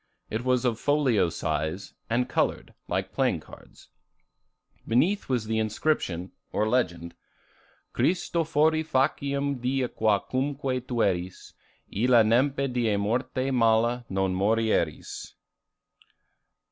It was of folio size, and colored, like playing cards. Beneath was the inscription, or legend: [Illustration: Christofori faciem die qua cumque tueris Illa nempe die morte mala non morieris.